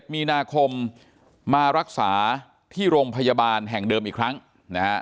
มีนาคมมารักษาที่โรงพยาบาลแห่งเดิมอีกครั้งนะฮะ